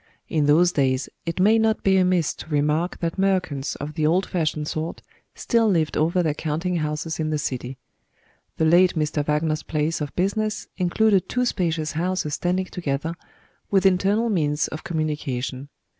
In those days, it may not be amiss to remark that merchants of the old fashioned sort still lived over their counting houses in the city. The late Mr. Wagner's place of business included two spacious houses standing together, with internal means of communication.